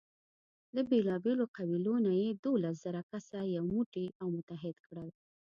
له بېلابېلو قبیلو نه یې دولس زره کسه یو موټی او متحد کړل.